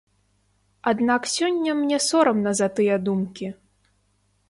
Аднак сёння мне сорамна за тыя думкі.